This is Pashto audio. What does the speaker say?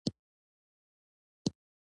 بزګر د موسمونو ملګری دی